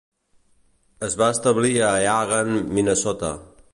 Es van establir a Eagan, Minnesota.